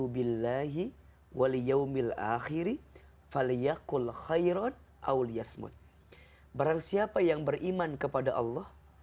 barang siapa yang beriman kepada allah